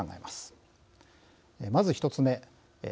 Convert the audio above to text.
まず１つ目。